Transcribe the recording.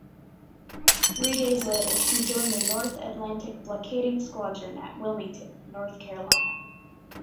Three days later she joined the North Atlantic Blockading Squadron at Wilmington, North Carolina.